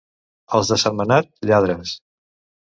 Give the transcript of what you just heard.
Els de Sentmenat, lladres.